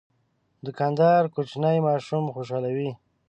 دوکاندار کوچني ماشومان خوشحالوي.